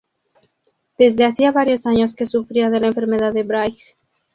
Desde hacía varios años que sufría de la enfermedad de Bright.